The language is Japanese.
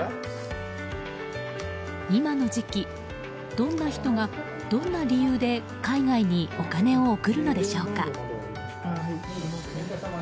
今の時期どんな人がどんな理由で海外にお金を送るのでしょうか。